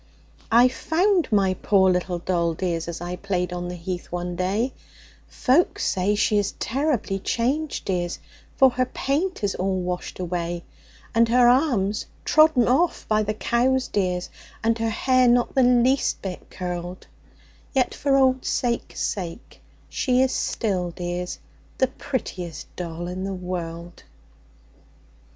I found my poor little doll, dears, As I played on the heath one day; Folks say she is terribly changed, dears, For her paint is all washed away, And her arms trodden off by the cows, dears, And her hair not the least bit curled; Yet for old sake's sake, she is still, dears, The prettiest doll in the world.